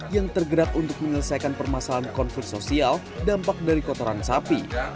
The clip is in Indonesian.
yang tergerak untuk menyelesaikan permasalahan konflik sosial dampak dari kotoran sapi